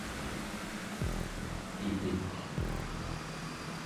ipik